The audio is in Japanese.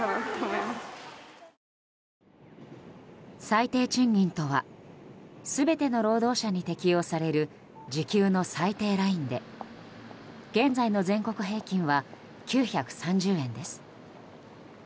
最低賃金とは全ての労働者に適用される時給の最低ラインで現在の全国平均は９３０円です。